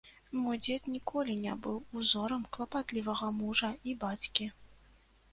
Мой дзед ніколі не быў узорам клапатлівага мужа і бацькі.